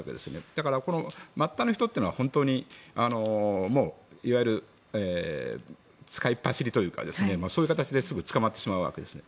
だから、末端の人というのは本当にいわゆる使いっ走りというかそういう形ですぐにつかまってしまうわけです。